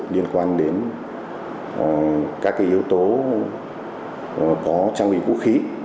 liên quan đến các yếu tố có trang bị vũ khí